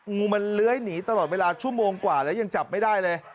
งูมันเลื้อยหนีตลอดเวลาชั่วโมงกว่าแล้วยังจับไม่ได้เลย